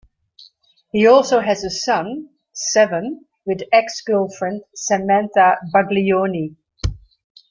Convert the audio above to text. He also has a son, Seven, with ex-girlfriend Samantha Baglioni.